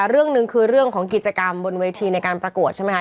เรื่องหนึ่งคือเรื่องของกิจกรรมบนเวทีในการประกวดใช่ไหมคะ